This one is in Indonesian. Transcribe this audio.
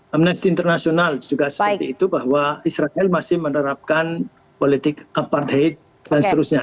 amnesty international juga seperti itu bahwa israel masih menerapkan politik apartheid dan seterusnya